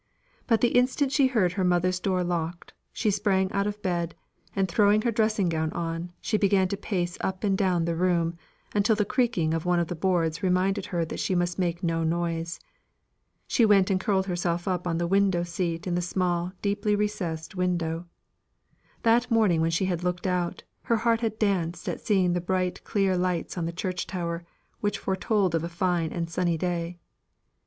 But the instant she heard her mother's door locked, she sprang out of bed, and throwing her dressing gown on, she began to pace up and down the room, until the creaking of one of the boards reminded her that she must make no noise. She went and curled herself upon the window seat in the small, deeply recessed window. That morning when she had looked out, her heart had danced at seeing the bright clear lights on the church tower, which foretold a fine and sunny day.